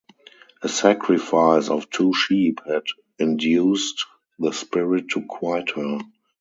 A sacrifice of two sheep had induced the spirit to quit her.